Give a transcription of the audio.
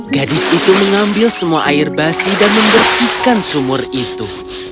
gadis itu mengambil semua air basi dan membersihkan sumur itu